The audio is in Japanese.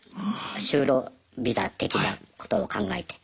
就労ビザ的なことを考えて。